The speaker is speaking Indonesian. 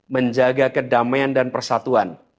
menjaga kedamaian dan persatuan